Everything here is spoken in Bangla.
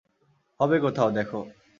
হবে কোথাও, দেখো।